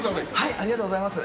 ありがとうございます。